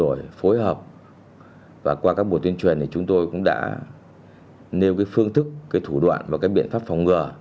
nào đổi phối hợp và qua các buổi tuyên truyền chúng tôi cũng đã nêu phương thức thủ đoạn và biện pháp phòng ngừa